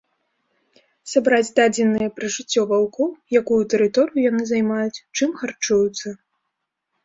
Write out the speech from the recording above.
Сабраць дадзеныя пра жыццё ваўкоў, якую тэрыторыю яны займаюць, чым харчуюцца.